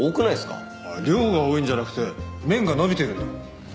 量が多いんじゃなくて麺が伸びてるんだ。